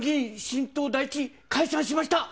新党大地解散しました。